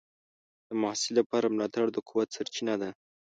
د محصل لپاره ملاتړ د قوت سرچینه ده.